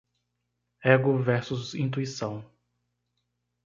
Ego versus intuição